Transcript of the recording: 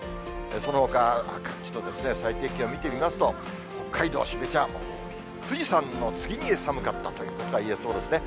そのほか、各地の最低気温見てみますと、北海道標茶は富士山の次に寒かったということがいえそうですね。